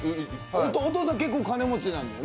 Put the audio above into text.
お父さん、結構金持ちなんですよね